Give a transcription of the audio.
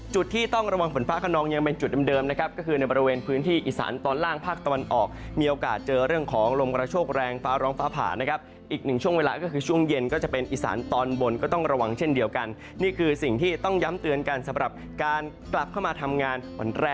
จุดที่ต้องระวังฝนฟ้าขนองยังเป็นจุดเดิมนะครับก็คือในบริเวณพื้นที่อีสานตอนล่างภาคตะวันออกมีโอกาสเจอเรื่องของลมกระโชคแรงฟ้าร้องฟ้าผ่านะครับอีกหนึ่งช่วงเวลาก็คือช่วงเย็นก็จะเป็นอีสานตอนบนก็ต้องระวังเช่นเดียวกันนี่คือสิ่งที่ต้องย้ำเตือนกันสำหรับการกลับเข้ามาทำงานวันแรก